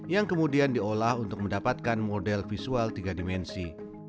yang kemudian diolah untuk mendapatkan model visual tiga dimensi